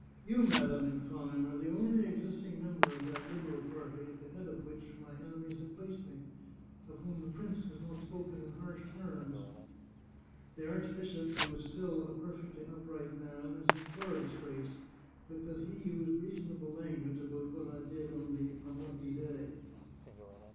... You, madam, in fine, are the only existing member of that Liberal party at the head of which my enemies have placed me, of whom the prince has not spoken in harsh terms. The archbishop, who is still a perfectly up right man, is in thorough disgrace, because he used reason able language about what I did on the unlucky day.